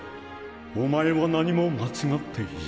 お前は何も間違っていない。